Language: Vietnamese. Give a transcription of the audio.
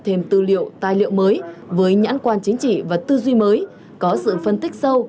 thêm tư liệu tài liệu mới với nhãn quan chính trị và tư duy mới có sự phân tích sâu